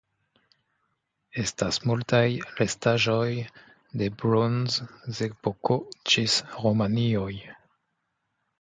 Estas multaj restaĵoj de Bronzepoko ĝis romianoj.